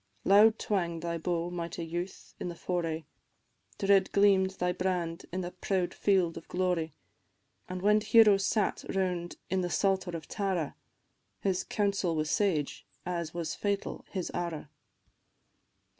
Loud twang'd thy bow, mighty youth, in the foray, Dread gleam'd thy brand in the proud field of glory; And when heroes sat round in the Psalter of Tara, His counsel was sage as was fatal his arrow.